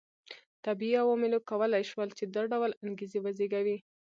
طبیعي عواملو کولای شول چې دا ډول انګېزې وزېږوي